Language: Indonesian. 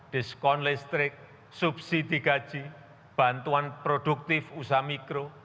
diskon listrik subsidi gaji bantuan produktif usaha mikro